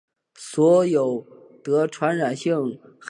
所有得传染性海绵状脑病目前均无法医治。